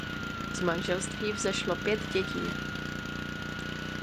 Z manželství vzešlo pět dětí.